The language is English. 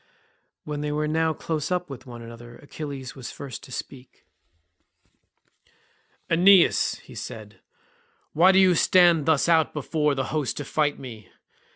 When they were now close up with one another Achilles was first to speak. "Aeneas," said he, "why do you stand thus out before the host to fight me?